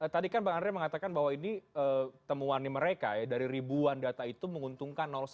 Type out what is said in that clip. tadi kan bang andre mengatakan bahwa ini temuan mereka ya dari ribuan data itu menguntungkan satu